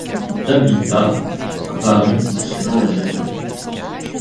Les habitats varient selon les espèces.